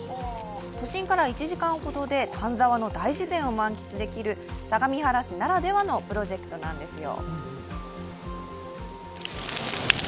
都心から１時間ほどで丹沢の大自然を満喫できる相模原市ならではのプロジェクトなんですよ。